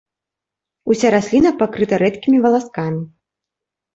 Уся расліна пакрыта рэдкімі валаскамі.